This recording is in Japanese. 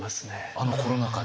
あのコロナ禍で？